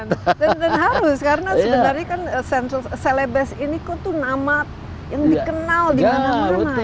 dan harus karena sebenarnya kan central celebes ini kok tuh nama yang dikenal dimana mana